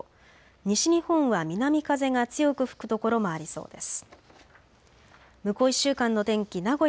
西日本は南風が強く吹く所もありそうです。